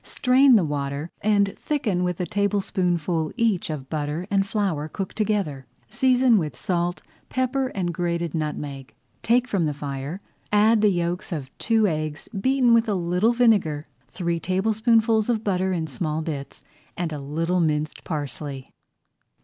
Strain the water, and thicken with a tablespoonful each of butter and flour cooked together. Season with salt, [Page 33] pepper, and grated nutmeg, take from the fire, add the yolks of two eggs beaten with a little vinegar, three tablespoonfuls of butter in small bits, and a little minced parsley.